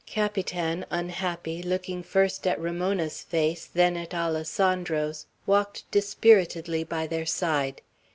Capitan, unhappy, looking first at Ramona's face, then at Alessandro's, walked dispiritedly by their side.